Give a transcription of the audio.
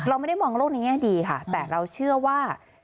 เราไม่ได้มองโลกในแง่ดีค่ะแต่เราเชื่อว่า